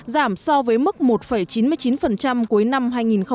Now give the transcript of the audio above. giảm so với mức một chín mươi chín cuối năm hai nghìn một mươi tám